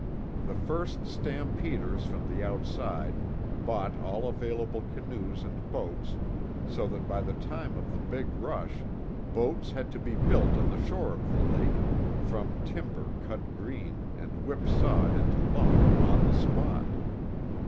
The first stampeders from the outside bought all available canoes and boats so that by the time of the big rush boats had to be built on the shore of the lake from timber cut green and whip sawed into lumber on the spot.